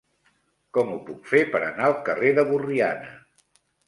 Com ho puc fer per anar al carrer de Borriana?